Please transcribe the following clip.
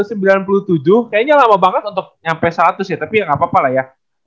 kayaknya lama banget untuk nyampe seratus ya tapi ya nggak apa apa lah ya